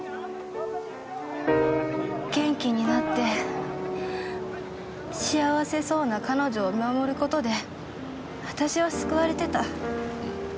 元気になって幸せそうな彼女を見守る事で私は救われてた。